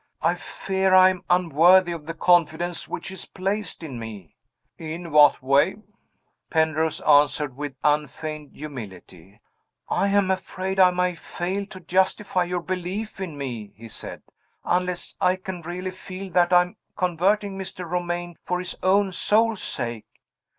I fear I am unworthy of the confidence which is placed in me." "In what way?" Penrose answered with unfeigned humility. "I am afraid I may fail to justify your belief in me," he said, "unless I can really feel that I am converting Mr. Romayne for his own soul's sake.